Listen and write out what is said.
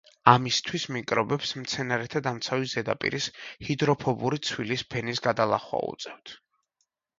ამისთვის მიკრობებს მცენარეთა დამცავი ზედაპირის ჰიდროფობური ცვილის ფენის გადალახვა უწევთ.